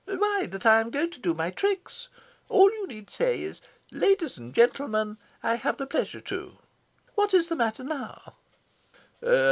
"Why, that I am going to do my tricks! All you need say is 'Ladies and gentlemen, I have the pleasure to ' What is the matter now?"